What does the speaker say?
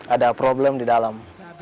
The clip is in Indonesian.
ada problem di dalam